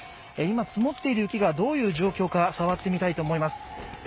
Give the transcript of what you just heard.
今積もっている雪がどういう状況か触ってみたいと思います。